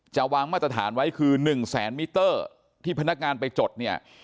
จะวางมาตรฐานไว้คือ๑แสนมิเตอร์ที่พนักงานไปจดเนี่ย